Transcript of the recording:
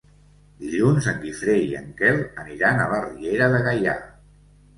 Dilluns en Guifré i en Quel aniran a la Riera de Gaià.